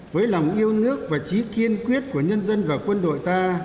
với lòng yêu nước và trí kiên quyết của nhân dân và quân đội ta